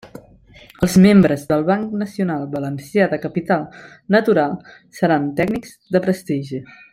Els membres del Banc Nacional Valencià de Capital Natural seran tècnics de prestigi.